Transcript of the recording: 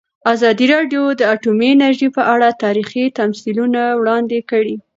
ازادي راډیو د اټومي انرژي په اړه تاریخي تمثیلونه وړاندې کړي.